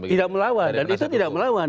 tidak melawan dan itu tidak melawan